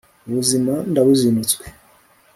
ubuzima ndabuzinutswe